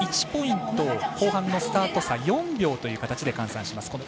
１ポイントを後半のスタート差４秒という形で換算します。